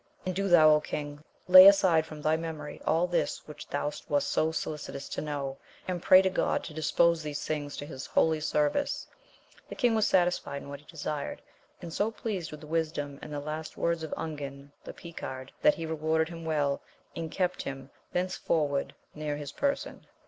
And do thou king, lay aside from thy memory all this which thou wast so solicitous to know, and pray to God to dispose these things to his holy service. The king was satisfied in what he desired, and so pleased with the wisdom and the last words of Ungan the Picard, that he rewarded him well, and kept him thenceforward near his person.